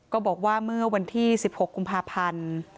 บอกว่าเมื่อวันที่๑๖กุมภาพันธ์